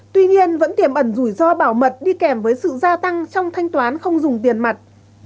tuy nhiên vẫn tiềm ẩn rủi ro bảo mật đi kèm với sự gia tăng trong thanh toán không dùng tiền mặt